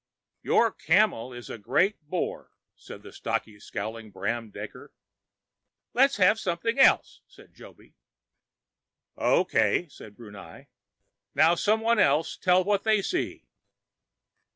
"Your camel is a great bore," said the stocky, scowling Bram Daker. "Let's have something else," said Joby. "Okay," replied Brunei, "now someone else tell what they see."